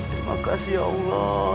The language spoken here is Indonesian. terima kasih ya allah